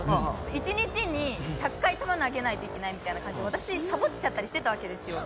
１日に１００回玉なげないといけないみたいな感じでわたしサボっちゃったりしてたわけですよ。